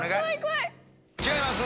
違います。